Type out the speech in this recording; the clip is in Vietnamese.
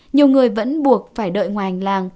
nhiều người vẫn buộc phải đợi ngoài hành lang